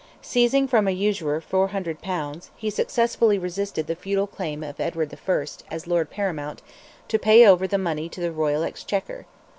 Seizing from a usurer 400 pounds, he successfully resisted the feudal claim of Edward I., as lord paramount, to pay over the money to the royal exchequer.